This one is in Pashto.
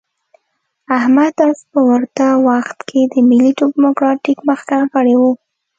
احمد عز په ورته وخت کې د ملي ډیموکراتیک مخکښ غړی و.